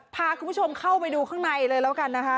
พาคุณผู้ชมเข้าไปดูข้างในเลยแล้วกันนะคะ